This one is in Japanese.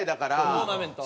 トーナメント。